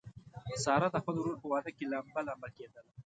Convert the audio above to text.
ساره د خپل ورور په واده کې لمبه لمبه کېدله.